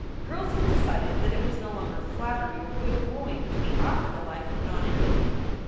Girls had decided that it was no longer flattery or good wooing to be offered a life of nonentity.